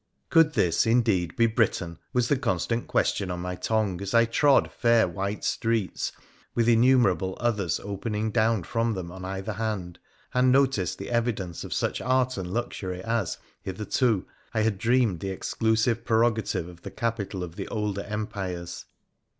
Could this, indeed, be Britain, was the constant question on my tongue as I trod fair white streets, with innumerable others opening down from them on either hand, and noticed the evidence of such art and luxury as, hitherto, I had dreamed the exclusive prerogative of the capital of the older empires.